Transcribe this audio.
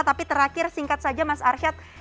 tapi terakhir singkat saja mas arsyad